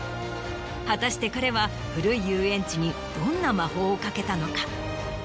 果たして彼は古い遊園地にどんな魔法をかけたのか？